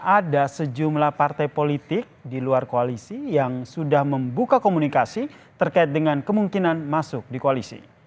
ada sejumlah partai politik di luar koalisi yang sudah membuka komunikasi terkait dengan kemungkinan masuk di koalisi